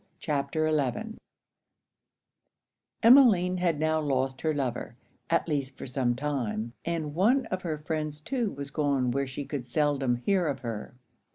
CHAPTER XI Emmeline had now lost her lover, at least for some time; and one of her friends too was gone where she could seldom hear of her.